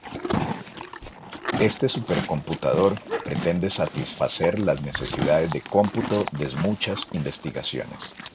Este supercomputador pretende satisfacer las necesidades de cómputo de muchas investigaciones.